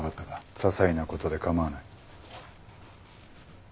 ささいなことで構わない。